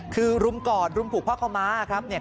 คือรุมกอดรุมผูกพลาดขวามาไทยครับ